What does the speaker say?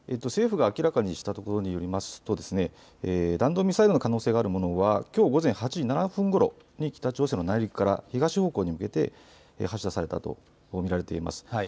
政府が明らかにしたところによりますと弾道ミサイルの可能性のあるものはきょう午前８時７分ごろに北朝鮮の内陸から東方向に向けて発射されたと見られています。